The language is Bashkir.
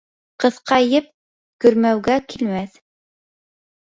Ҡыҫка еп көрмәүгә килмәҫ.